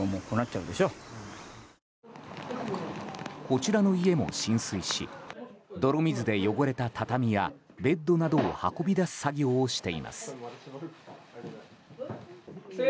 こちらの家も浸水し泥水で汚れた畳やベッドなどを運び出す作業をしています。